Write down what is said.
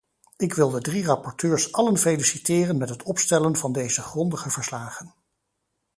Ik wil de drie rapporteurs allen feliciteren met het opstellen van deze grondige verslagen.